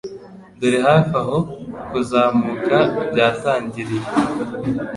Dore hafi aho kuzamuka byatangiriye